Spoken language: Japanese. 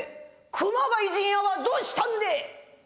『熊谷陣屋』はどうしたんでえ？」。